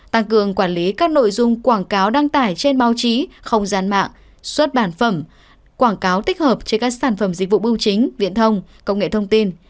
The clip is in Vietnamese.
tăng cường quản lý các nội dung quảng cáo đăng tải trên báo chí không gian mạng xuất bản phẩm quảng cáo tích hợp trên các sản phẩm dịch vụ bưu chính viễn thông công nghệ thông tin